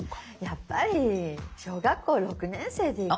やっぱり小学校６年生で。